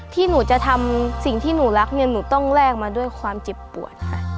ที่หนูจะทำสิ่งที่หนูรักเนี่ยหนูต้องแลกมาด้วยความเจ็บปวดค่ะ